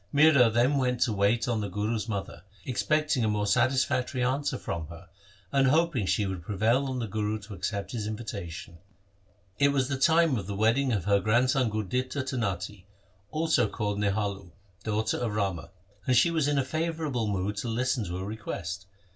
Mihra then went to wait on the Guru's mother, expecting a more satisfactory answer from her, and hoping she would prevail on the Guru to accept his invitation. It was the time of the wedding of her grandson Gurditta to Natti, also called Nihalo, daughter of Rama, and she was in a favourable mood to listen to a request.